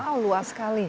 wow luas sekali